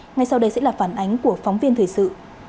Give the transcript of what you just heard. ngay sau đây sẽ là phản ánh của phóng viên thời sự